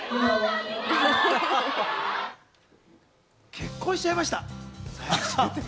結婚しちゃいました。